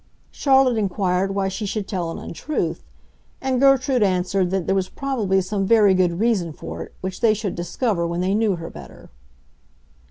Charlotte inquired why she should tell an untruth, and Gertrude answered that there was probably some very good reason for it which they should discover when they knew her better.